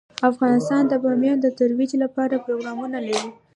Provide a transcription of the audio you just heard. افغانستان د بامیان د ترویج لپاره پروګرامونه لري.